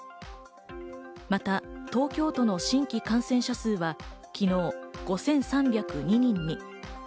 また東京都の新規感染者数は昨日５３０２人に。